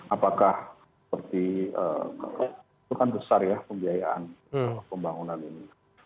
apakah seperti itu kan besar ya pembiayaan pembangunan ini